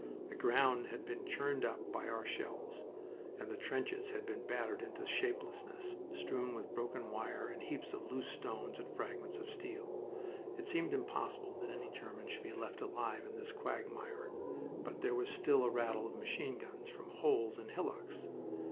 The ground had been churned up by our shells, and the trenches had been battered into shapelessness, strewn with broken wire and heaps of loose stones and fragments of steel. It seemed impossible that any German should be left alive in this quagmire, but there was still a rattle of machine guns from holes and hillocks.